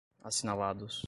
assinalados